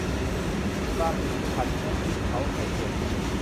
ปลาหมึกผัดน้ำพริกเผาไข่เค็ม